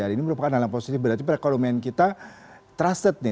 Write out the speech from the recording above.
ini merupakan aliran posisi berarti perekonomian kita trusted nih